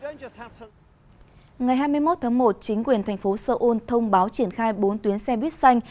ngày hai mươi một tháng một chính quyền thành phố seoul thông báo triển khai bốn tuyến xe buýt xanh